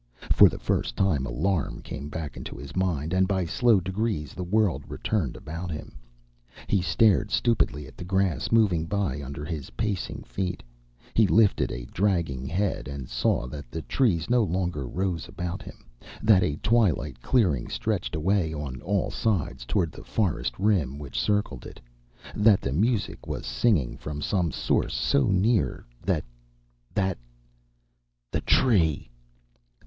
For the first time alarm came back into his mind, and by slow degrees the world returned about him. He stared stupidly at the grass moving by under his pacing feet. He lifted a dragging head and saw that the trees no longer rose about him, that a twilit clearing stretched away on all sides toward the forest rim which circled it, that the music was singing from some source so near that that The Tree!